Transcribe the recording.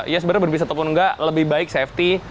ya sebenarnya berbis ataupun enggak lebih baik safety